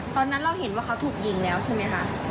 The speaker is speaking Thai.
ตอนนั้นเราเห็นว่าเขาถูกยิงแล้วใช่ไหมคะ